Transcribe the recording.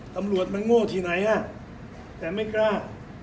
ตำรวจมันโง่ที่ไหนแต่ไม่กล้า